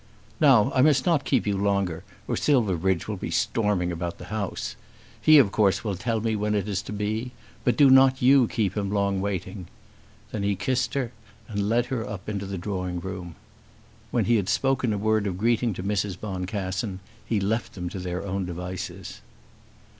Now I must not keep you longer or Silverbridge will be storming about the house. He of course will tell me when it is to be; but do not you keep him long waiting." Then he kissed her and led her up into the drawing room. When he had spoken a word of greeting to Mrs. Boncassen, he left them to their own devices.